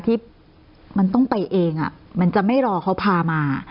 ที่มันต้องไปเองมันจะไม่รอเขาพามา